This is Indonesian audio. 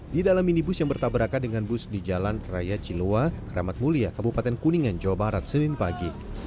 di dalam minibus yang bertabrakan dengan bus di jalan raya ciloa kramat mulia kabupaten kuningan jawa barat senin pagi